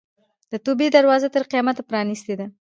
د توبې دروازه تر قیامته پرانستې ده.